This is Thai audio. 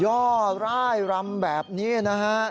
ย่อไล่ร้ำแบบนี้นะฮะ